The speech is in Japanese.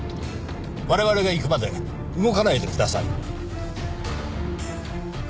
我々が行くまで動かないでください。